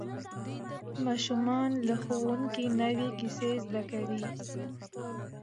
ماشومان له ښوونکي نوې کیسې زده کوي